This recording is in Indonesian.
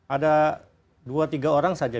ada dua tiga orang saja